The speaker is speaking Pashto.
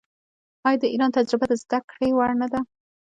آیا د ایران تجربه د زده کړې وړ نه ده؟